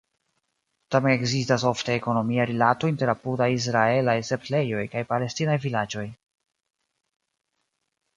Tamen ekzistas ofte ekonomia rilato inter apudaj israelaj setlejoj kaj palestinaj vilaĝoj.